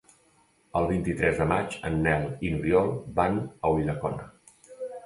El vint-i-tres de maig en Nel i n'Oriol van a Ulldecona.